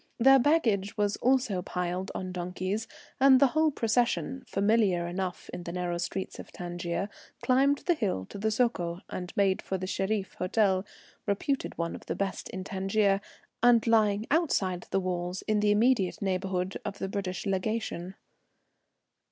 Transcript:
Their baggage was also piled on donkeys, and the whole procession, familiar enough in the narrow streets of Tangier, climbed the hill to the Soko, and made for the Shereef Hotel, reputed one of the best in Tangier, and lying outside the walls in the immediate neighbourhood of the British Legation.